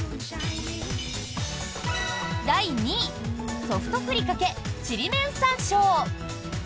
第２位、「ソフトふりかけちりめん山椒」。